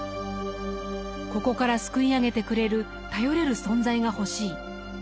「ここから救い上げてくれる頼れる存在が欲しい」。